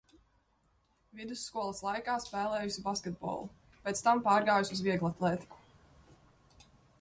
Vidusskolas laikā spēlējusi basketbolu, pēc tam pārgājusi uz vieglatlētiku.